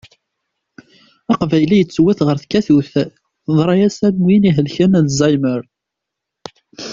Aqbayli yettwet ɣer tkatut, teḍṛa-as am win ihelken alzaymer.